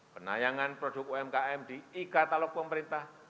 penayangan produk umkm di e katalog pemerintah